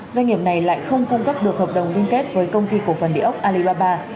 doanh nghiệp này lại không cung cấp được hợp đồng liên kết với công ty cổ phần địa ốc alibaba